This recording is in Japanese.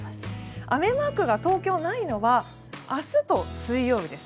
雨マークが東京、ないのは明日と水曜日です。